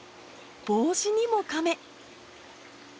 帽子にもカメ。